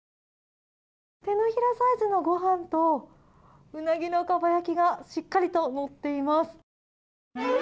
手のひらサイズのご飯とウナギのかば焼きがしっかりと乗っています。